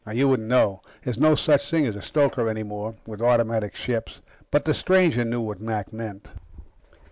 You wouldn't know. There's no such thing as a stoker any more, with automatic ships. But the stranger knew what Mac meant.